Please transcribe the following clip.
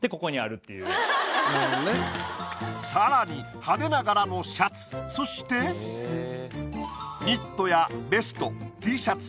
さらに派手な柄のシャツそしてニットやベストＴシャツ